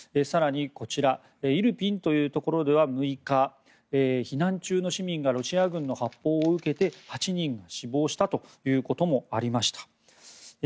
更に、こちらイルピンというところでは６日、避難中の市民がロシア軍の発砲を受けて８人が死亡したということもありました。